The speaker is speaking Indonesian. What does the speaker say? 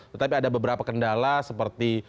tetapi ada beberapa kendala seperti